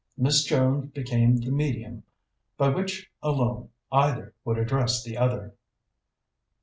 Miss Jones became the medium by which alone either would address the other.